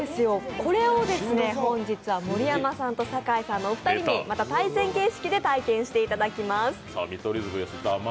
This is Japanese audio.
これを本日は盛山さんと酒井さんのお二人に、また対戦形式で体験していただきます。